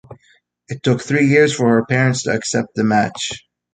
It took three years for her parents to accept the match.